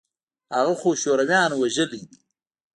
هغه خو شورويانو وژلى دى.